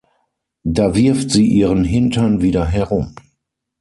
Da wirft Sie Ihren Hintern wieder herum.